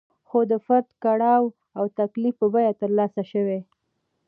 خو د فرد د کړاو او تکلیف په بیه ترلاسه شوې.